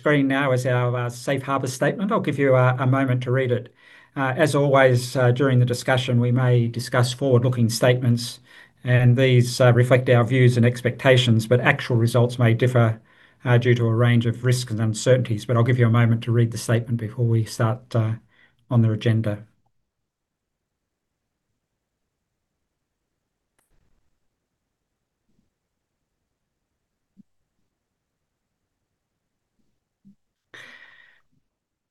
On the screen now is our safe harbor statement. I'll give you a moment to read it. As always, during the discussion, we may discuss forward-looking statements, and these reflect our views and expectations, but actual results may differ due to a range of risks and uncertainties. I'll give you a moment to read the statement before we start on the agenda.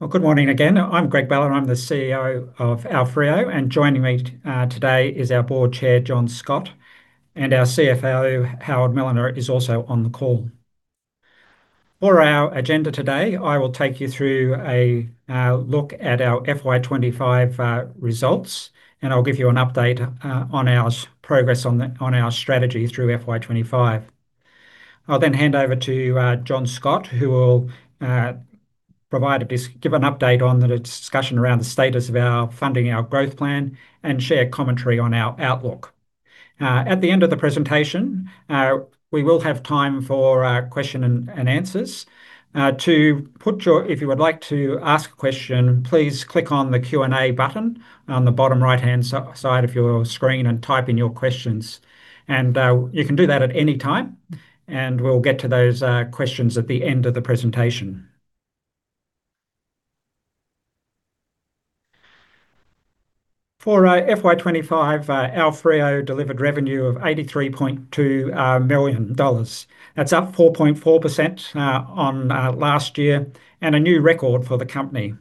Good morning again. I'm Greg Ballard, I'm the CEO of AoFrio, and joining me today is our Board Chair, John Scott, and our CFO, Howard Milliner, is also on the call. For our agenda today, I will take you through a look at our FY 2025 results, and I'll give you an update on our progress on our strategy through FY 2025. I'll then hand over to John Scott, who will give an update on the discussion around the status of our funding, our growth plan, and share commentary on our outlook. At the end of the presentation, we will have time for question and answers. If you would like to ask a question, please click on the Q&A button on the bottom right-hand side of your screen and type in your questions. You can do that at any time, and we'll get to those questions at the end of the presentation. For our FY 2025, AoFrio delivered revenue of 83.2 million dollars. That's up 4.4% on last year, and a new record for the company.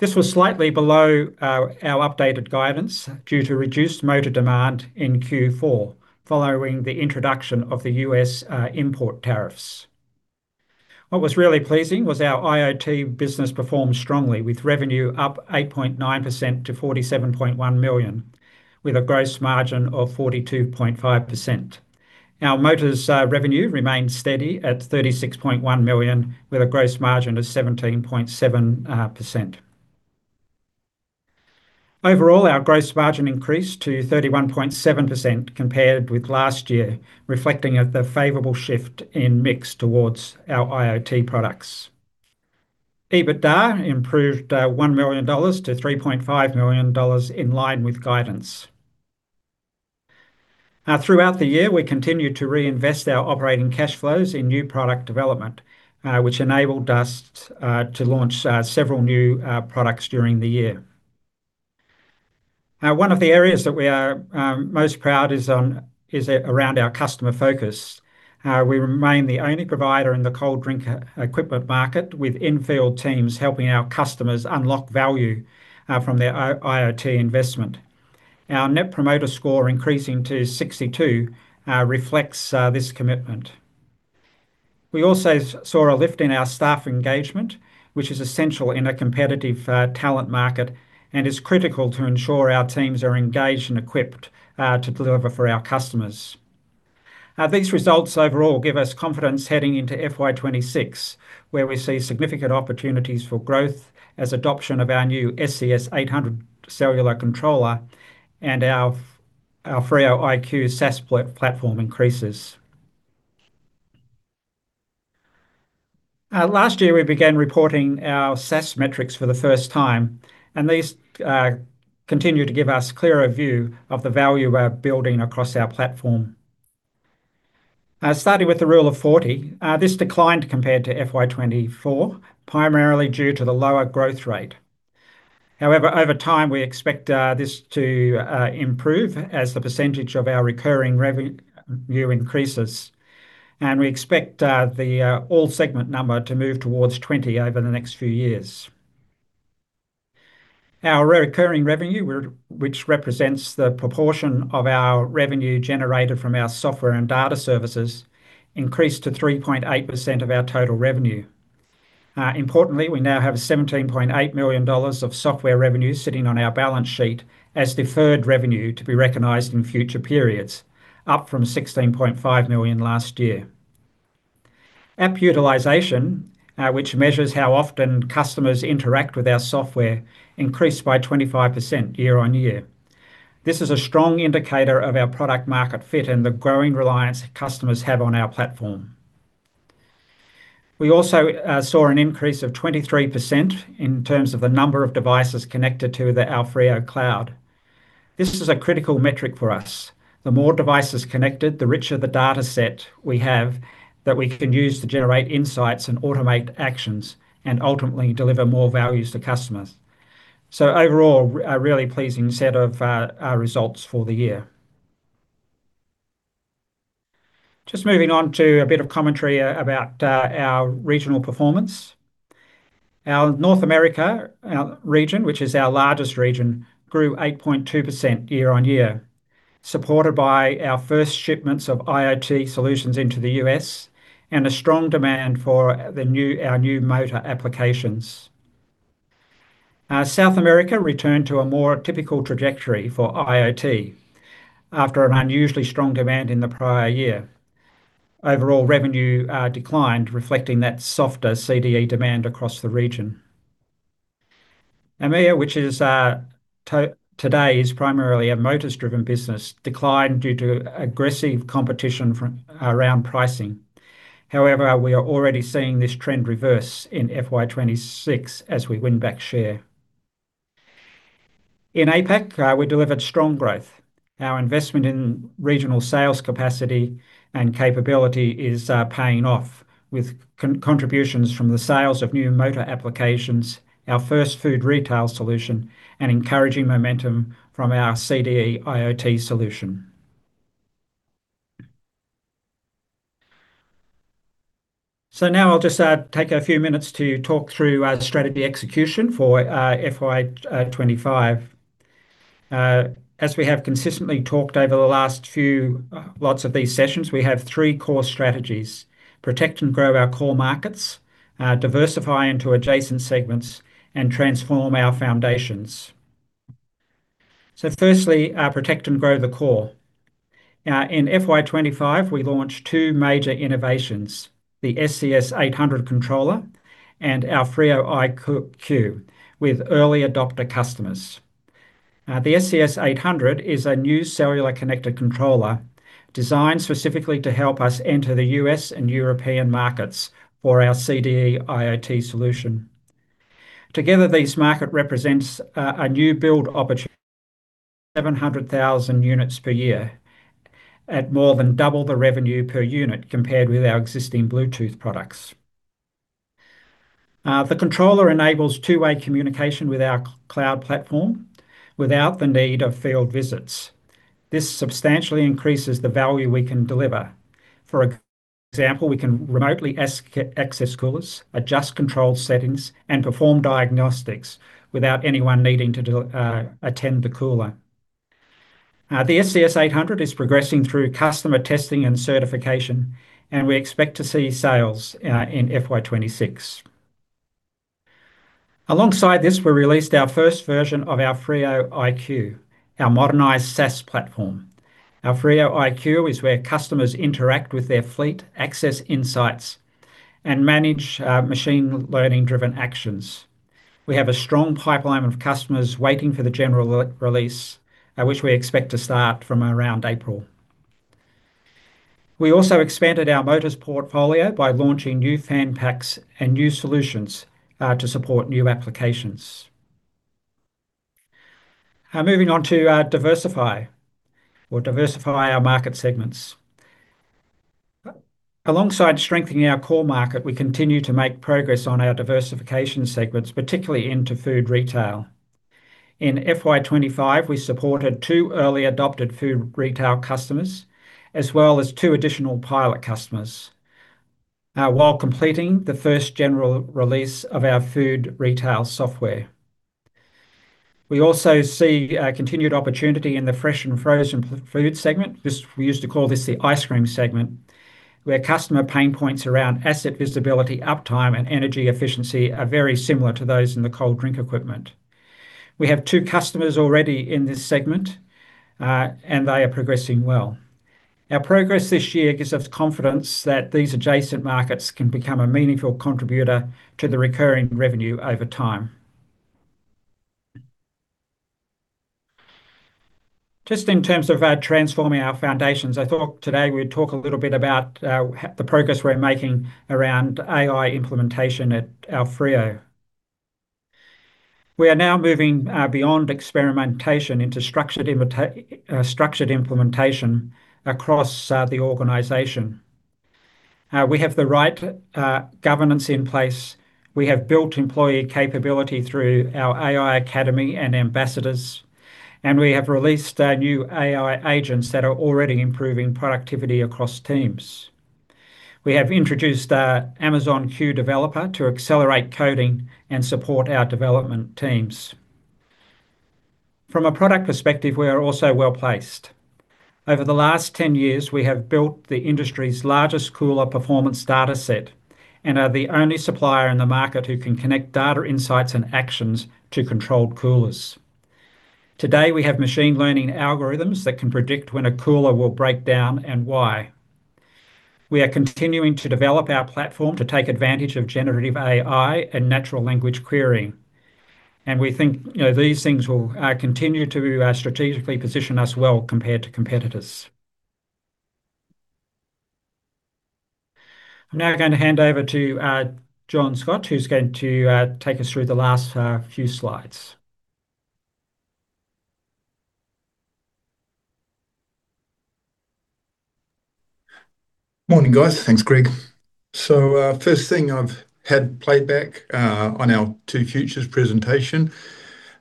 This was slightly below our updated guidance due to reduced motor demand in Q4, following the introduction of the U.S. import tariffs. What was really pleasing was our IoT business performed strongly, with revenue up 8.9% to 47.1 million, with a gross margin of 42.5%. Our Motors revenue remained steady at 36.1 million, with a gross margin of 17.7%. Overall, our gross margin increased to 31.7% compared with last year, reflecting the favorable shift in mix towards our IoT products. EBITDA improved 1 million dollars to 3.5 million dollars, in line with guidance. Throughout the year, we continued to reinvest our operating cash flows in new product development, which enabled us to launch several new products during the year. Now, one of the areas that we are most proud is around our customer focus. We remain the only provider in the cold drink equipment market, with in-field teams helping our customers unlock value from their IoT investment. Our Net Promoter Score increasing to 62 reflects this commitment. We also saw a lift in our staff engagement, which is essential in a competitive talent market and is critical to ensure our teams are engaged and equipped to deliver for our customers. These results overall give us confidence heading into FY 2026, where we see significant opportunities for growth as adoption of our new SCS 800 cellular controller and our AoFrio iQ SaaS platform increases. Last year, we began reporting our SaaS metrics for the first time, and these continue to give us clearer view of the value we're building across our platform. Starting with the Rule of 40, this declined compared to FY 2024, primarily due to the lower growth rate. Over time, we expect this to improve as the percentage of our recurring revenue increases, and we expect the all segment number to move towards 20 over the next few years. Our recurring revenue, which represents the proportion of our revenue generated from our software and data services, increased to 3.8% of our total revenue. Importantly, we now have 17.8 million dollars of software revenue sitting on our balance sheet as deferred revenue to be recognized in future periods, up from 16.5 million last year. App utilization, which measures how often customers interact with our software, increased by 25% year-over-year. This is a strong indicator of our product market fit and the growing reliance customers have on our platform. We also saw an increase of 23% in terms of the number of devices connected to the AoFrio Cloud. This is a critical metric for us. The more devices connected, the richer the data set we have, that we can use to generate insights and automate actions, and ultimately deliver more values to customers. Overall, a really pleasing set of results for the year. Just moving on to a bit of commentary about our regional performance. Our North America, our region, which is our largest region, grew 8.2% year-on-year, supported by our first shipments of IoT solutions into the U.S. and a strong demand for our new motor applications. South America returned to a more typical trajectory for IoT after an unusually strong demand in the prior year. Overall revenue declined, reflecting that softer CDE demand across the region. EMEA, which today is primarily a Motors-driven business, declined due to aggressive competition from around pricing. We are already seeing this trend reverse in FY 2026 as we win back share. In APAC, we delivered strong growth. Our investment in regional sales capacity and capability is paying off, with contributions from the sales of new motor applications, our first food retail solution, and encouraging momentum from our CDE IoT solution. Now I'll just take a few minutes to talk through our strategy execution for FY 2025. As we have consistently talked over the last few lots of these sessions, we have three core strategies: protect and grow our core markets, diversify into adjacent segments, and transform our foundations. Firstly, protect and grow the core. In FY 2025, we launched two major innovations, the SCS 800 controller and our AoFrio iQ, with early adopter customers. The SCS 800 is a new cellular connected controller designed specifically to help us enter the US and European markets for our CDE IoT solution. Together, these market represents a new build opportunity, 700,000 units per year at more than double the revenue per unit compared with our existing Bluetooth products. The controller enables two-way communication with our cloud platform without the need of field visits. This substantially increases the value we can deliver. For example, we can remotely access coolers, adjust control settings, and perform diagnostics without anyone needing to attend the cooler. The SCS 800 is progressing through customer testing and certification, and we expect to see sales in FY 2026. Alongside this, we released our first version of our AoFrio iQ, our modernized SaaS platform. Our AoFrio iQ is where customers interact with their fleet, access insights, and manage machine learning-driven actions. We have a strong pipeline of customers waiting for the general re-release, which we expect to start from around April. We also expanded our Motors portfolio by launching new fan packs and new solutions to support new applications. Moving on to diversify our market segments. Alongside strengthening our core market, we continue to make progress on our diversification segments, particularly into food retail. In FY 2025, we supported two early adopted food retail customers, as well as two additional pilot customers, while completing the first general release of our food retail software. We also see continued opportunity in the fresh and frozen food segment. This, we used to call this the ice cream segment, where customer pain points around asset visibility, uptime, and energy efficiency are very similar to those in the cold drink equipment. We have two customers already in this segment, and they are progressing well. Our progress this year gives us confidence that these adjacent markets can become a meaningful contributor to the recurring revenue over time. Just in terms of transforming our foundations, I thought today we'd talk a little bit about the progress we're making around AI implementation at AoFrio. We are now moving beyond experimentation into structured implementation across the organization. We have the right governance in place, we have built employee capability through our AI Academy and ambassadors, and we have released our new AI agents that are already improving productivity across teams. We have introduced Amazon Q Developer to accelerate coding and support our development teams. From a product perspective, we are also well-placed. Over the last 10 years, we have built the industry's largest cooler performance data set and are the only supplier in the market who can connect data insights and actions to controlled coolers. Today, we have machine learning algorithms that can predict when a cooler will break down and why. We are continuing to develop our platform to take advantage of generative AI and natural language querying, and we think, you know, these things will continue to strategically position us well compared to competitors. I'm now going to hand over to John Scott, who's going to take us through the last few slides. Morning, guys. Thanks, Greg. First thing, I've had playback on our Two Futures presentation.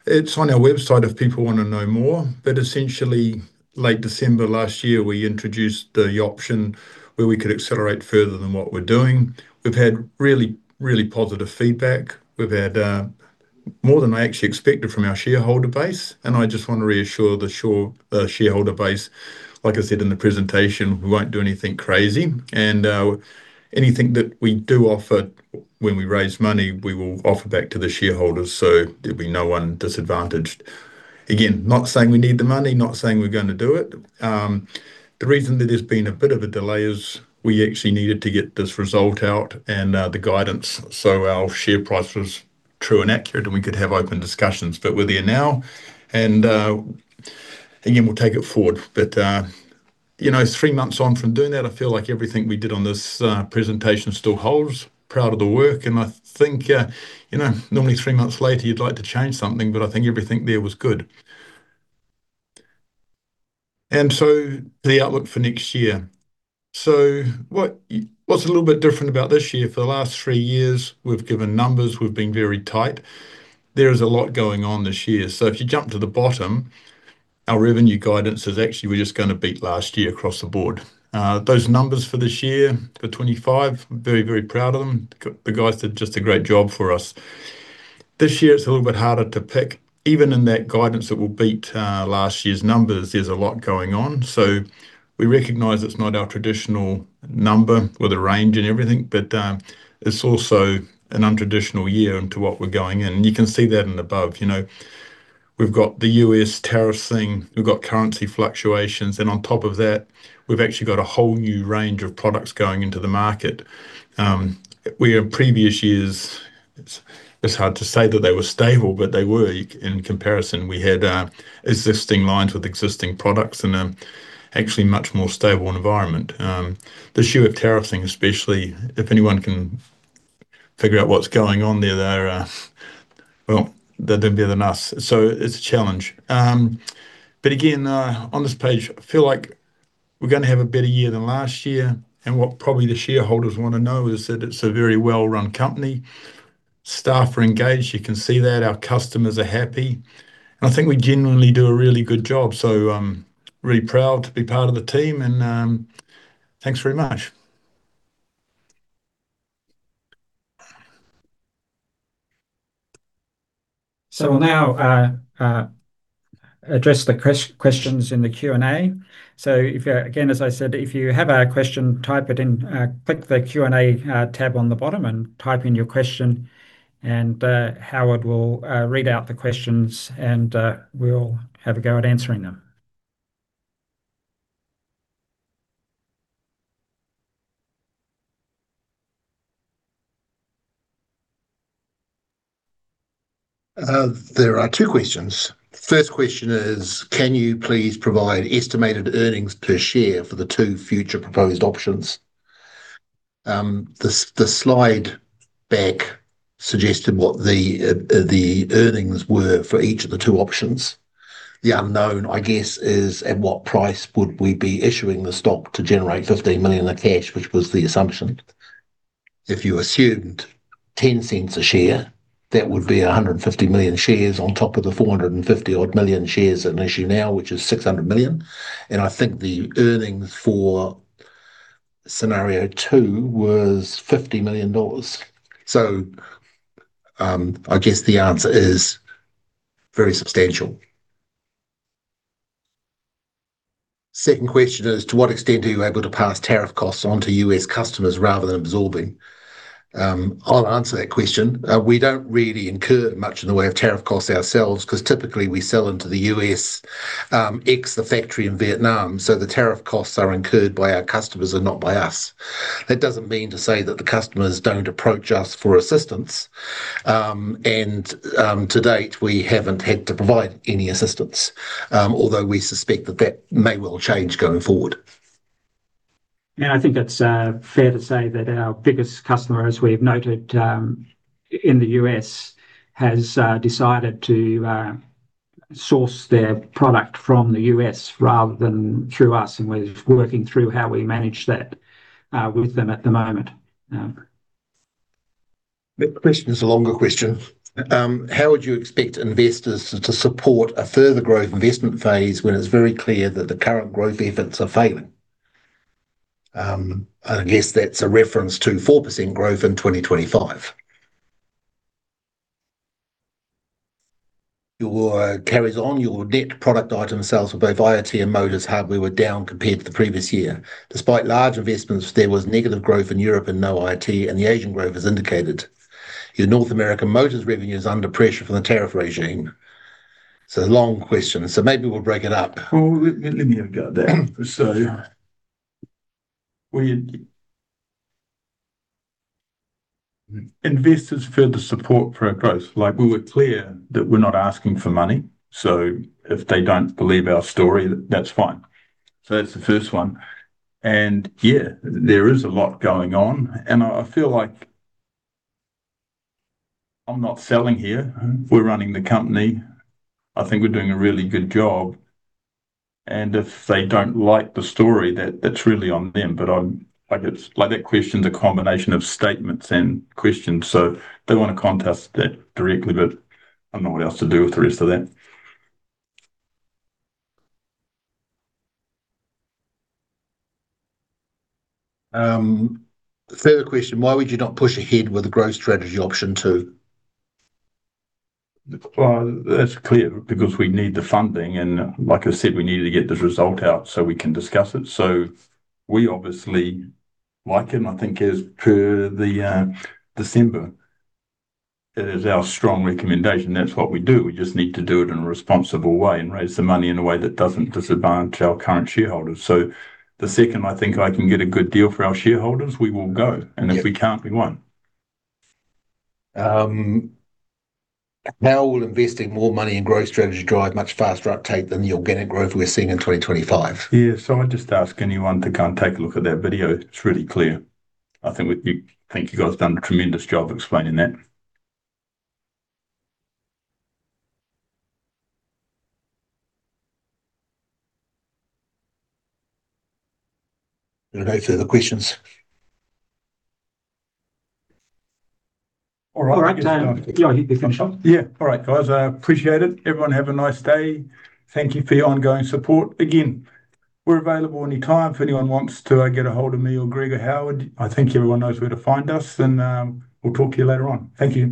It's on our website if people wanna know more, essentially, late December last year, we introduced the option where we could accelerate further than what we're doing. We've had really positive feedback. We've had more than I actually expected from our shareholder base, I just want to reassure the shareholder base, like I said in the presentation, we won't do anything crazy. Anything that we do offer when we raise money, we will offer back to the shareholders, there'll be no one disadvantaged. Again, not saying we need the money, not saying we're gonna do it. The reason that there's been a bit of a delay is we actually needed to get this result out and the guidance, so our share price was true and accurate, and we could have open discussions. We're there now, and again, we'll take it forward. You know, it's three months on from doing that, I feel like everything we did on this presentation still holds. Proud of the work, and I think, you know, normally three months later you'd like to change something, but I think everything there was good. The outlook for next year. What's a little bit different about this year? For the last three years, we've given numbers, we've been very tight. There is a lot going on this year. If you jump to the bottom, our revenue guidance is actually we're just gonna beat last year across the board. Those numbers for this year, for 2025, very, very proud of them. The guys did just a great job for us. This year it's a little bit harder to pick. Even in that guidance that we'll beat last year's numbers, there's a lot going on. We recognize it's not our traditional number with a range and everything, but it's also an untraditional year into what we're going in. You can see that in the above. You know, we've got the U.S. tariff thing, we've got currency fluctuations, and on top of that, we've actually got a whole new range of products going into the market. We, in previous years, it's hard to say that they were stable, but they were in comparison. We had existing lines with existing products, and actually a much more stable environment. This year with tariffing, especially if anyone can figure out what's going on there, they're, well, they're better than us, so it's a challenge. Again, on this page, I feel like we're gonna have a better year than last year, and what probably the shareholders want to know is that it's a very well-run company. Staff are engaged, you can see that. Our customers are happy, and I think we genuinely do a really good job. I'm really proud to be part of the team, and thanks very much. We'll now address the questions in the Q&A. If, again, as I said, if you have a question, type it in, click the Q&A tab on the bottom and type in your question, and Howard will read out the questions, and we'll have a go at answering them. There are two questions. First question is: Can you please provide estimated earnings per share for the two future proposed options? The slide back suggested what the earnings were for each of the two options. The unknown, I guess, is at what price would we be issuing the stock to generate 15 million in cash, which was the assumption. If you assumed 0.10 a share, that would be 150 million shares on top of the 450 odd million shares at issue now, which is 600 million. I think the earnings for scenario two was $50 million. I guess the answer is very substantial. Second question is: To what extent are you able to pass tariff costs on to U.S. customers rather than absorbing? I'll answer that question. We don't really incur much in the way of tariff costs ourselves, 'cause typically we sell into the U.S., ex the factory in Vietnam, so the tariff costs are incurred by our customers and not by us. That doesn't mean to say that the customers don't approach us for assistance. To date, we haven't had to provide any assistance, although we suspect that that may well change going forward. Yeah, I think it's, fair to say that our biggest customer, as we've noted, in the U.S., has, decided to, source their product from the U.S. rather than through us, and we're working through how we manage that, with them at the moment. The next question is a longer question. How would you expect investors to support a further growth investment phase when it's very clear that the current growth efforts are failing? I guess that's a reference to 4% growth in 2025. It carries on, your net product item sales for both IoT and Motors Hub were down compared to the previous year. Despite large investments, there was negative growth in Europe and no IoT, and the Asian growth is indicated. Your North American Motors revenue is under pressure from the tariff regime. It's a long question, so maybe we'll break it up. Well, let me have a go at that. Investors further support for our growth, like we were clear that we're not asking for money, so if they don't believe our story, that's fine. That's the first one. Yeah, there is a lot going on, and I feel like I'm not selling here. We're running the company. I think we're doing a really good job, and if they don't like the story, that's really on them. I'm, like, that question's a combination of statements and questions, so they want to contest that directly, but I don't know what else to do with the rest of that. The third question: Why would you not push ahead with the growth strategy option 2? Well, that's clear, because we need the funding, and like I said, we need to get this result out so we can discuss it. We obviously like it, and I think as per the December, it is our strong recommendation. That's what we do. We just need to do it in a responsible way and raise the money in a way that doesn't disadvantage our current shareholders. The second I think I can get a good deal for our shareholders, we will go. Yeah. If we can't, we won't. How will investing more money in growth strategy drive much faster uptake than the organic growth we're seeing in 2025? I'd just ask anyone to come take a look at that video. It's really clear. I think we think you guys have done a tremendous job of explaining that. Gonna go through the questions. All right. Yeah, I think we're finished up. Yeah. All right, guys, I appreciate it. Everyone, have a nice day. Thank you for your ongoing support. Again, we're available anytime. If anyone wants to get a hold of me or Greg or Howard, I think everyone knows where to find us, and we'll talk to you later on. Thank you.